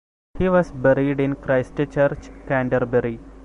He was buried in Christ Church, Canterbury.